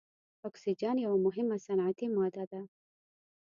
اکسیجن یوه مهمه صنعتي ماده ده.